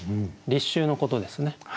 立秋のことですね。